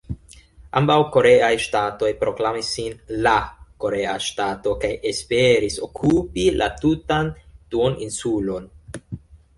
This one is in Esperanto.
Ambaŭ koreaj ŝtatoj proklamis sin "la" korea ŝtato kaj esperis okupi la tutan duoninsulon.